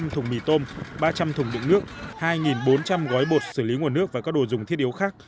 một trăm linh thùng mì tôm ba trăm linh thùng đựng nước hai bốn trăm linh gói bột xử lý nguồn nước và các đồ dùng thiết yếu khác